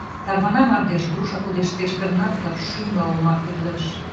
Тарвана мардеж — груша пудештеш гранатла, шӱмла олма кӱрлеш!